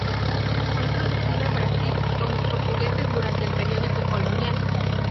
Fue introducido en Brasil por los portugueses durante el período colonial.